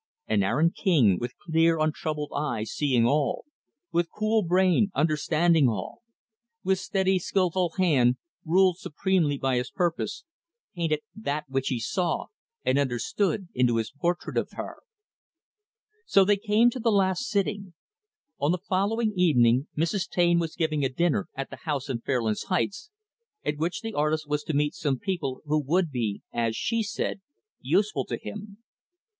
And Aaron King, with clear, untroubled eye seeing all; with cool brain understanding all; with steady, skillful hand, ruled supremely by his purpose, painted that which he saw and understood into his portrait of her. So they came to the last sitting. On the following evening, Mrs. Taine was giving a dinner at the house on Fairlands Heights, at which the artist was to meet some people who would be as she said useful to him.